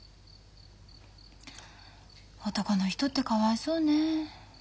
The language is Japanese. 男の人ってかわいそうね。